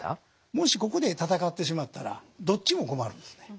もしここで戦ってしまったらどっちも困るんですね。